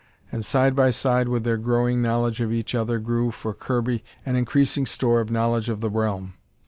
And side by side with their growing knowledge of each other grew, for Kirby, an increasing store of knowledge of the realm.